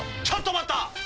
ちょっと待った！